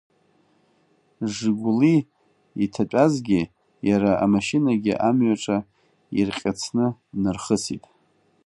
Жигәли иҭатәазгьы иара амашьынагьы амҩаҿы ирҟьыцны днархысит.